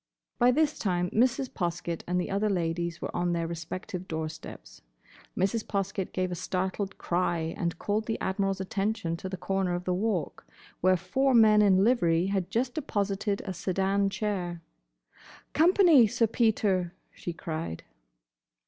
By this time Mrs. Poskett and the other ladies were on their respective door steps. Mrs. Poskett gave a startled cry and called the Admiral's attention to the corner of the Walk, where four men in livery had just deposited a sedan chair. "Company, Sir Peter!" she cried.